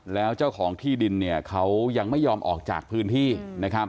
แล้วเจ้าของที่ดินเนี่ยเขายังไม่ยอมออกจากพื้นที่นะครับ